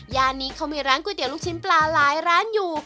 ย่านนี้เขามีร้านก๋วยเตี๋ยลูกชิ้นปลาหลายร้านอยู่